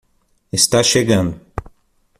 Está chegando.